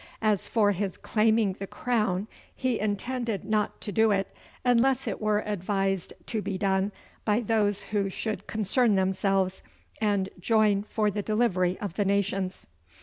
As for his claiming the crown, he intended not to do it unless it were advised to be done by those who should concern themselves and join for the delivery of the nations.